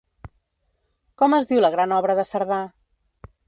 Com es diu la gran obra de Cerdà?